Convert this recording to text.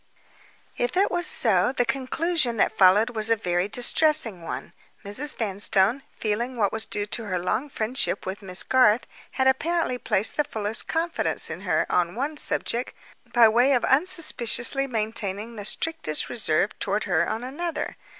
If it was so, the conclusion that followed was a very distressing one. Mrs. Vanstone, feeling what was due to her long friendship with Miss Garth, had apparently placed the fullest confidence in her, on one subject, by way of unsuspiciously maintaining the strictest reserve toward her on another.